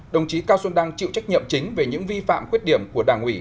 đồng chí cao xuân đăng chịu trách nhiệm chính về những vi phạm khuyết điểm của đảng ủy